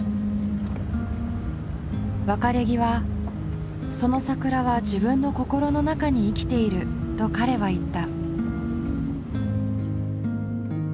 別れ際「その桜は自分の心の中に生きている」と彼は言った。